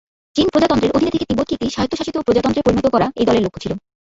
চীন প্রজাতন্ত্রের অধীনে থেকে তিব্বতকে একটি স্বায়ত্তশাসিত প্রজাতন্ত্রে পরিণত করা এই দলের লক্ষ্য ছিল।